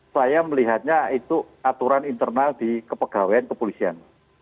saya melihatnya itu aturan internal di kepegawaian kepolisian